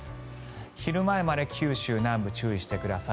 昼前まで九州南部注意してください。